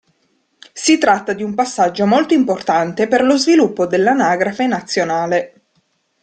Si tratta di un passaggio molto importante per lo sviluppo dell'anagrafe nazionale.